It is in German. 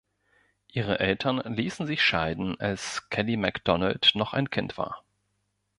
Ihre Eltern ließen sich scheiden, als Kelly Macdonald noch ein Kind war.